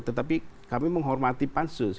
tetapi kami menghormati pansus